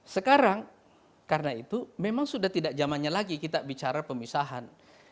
sekarang karena itu memang sudah tidak zamannya lagi kita bicara pemisahan